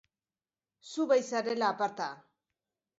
Zu bai zarela aparta!